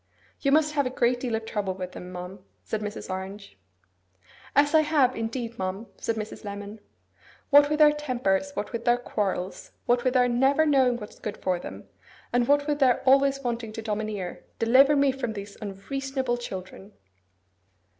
'You must have a great deal of trouble with them, ma'am,' said Mrs. Orange. 'Ah, I have, indeed, ma'am!' said Mrs. Lemon. 'What with their tempers, what with their quarrels, what with their never knowing what's good for them, and what with their always wanting to domineer, deliver me from these unreasonable children!